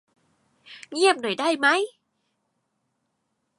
เงียบหน่อยได้มั้ย